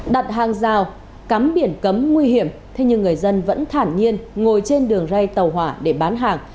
đặt hàng rào cắm biển cấm nguy hiểm thế nhưng người dân vẫn thản nhiên ngồi trên đường ray tàu hỏa để bán hàng